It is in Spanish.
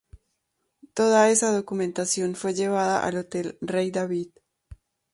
Toda esa documentación fue llevada al Hotel Rey David.